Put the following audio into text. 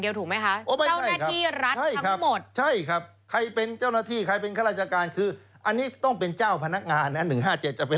เก็บเห็นอะไรอย่างนั้นเห็น